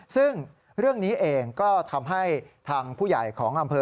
ซึ่งเรื่องนี้เองก็ทำให้ทางผู้ใหญ่ของอำเภอ